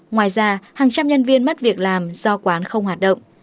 ngoài ra hàng trăm nhân viên mất việc làm do quán không hoạt động